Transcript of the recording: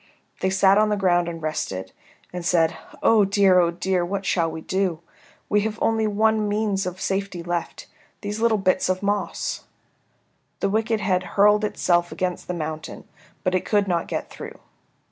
They sat on the ground and rested, and said, "Oh dear, oh dear, what shall we do? We have only one means of safety left, these little bits of moss." The wicked head hurled itself against the mountain, but it could not get through.